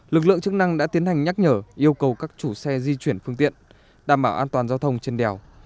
lực lượng chức năng đã tiến hành nhắc nhở yêu cầu các chủ xe di chuyển phương tiện đảm bảo an toàn giao thông trên đèo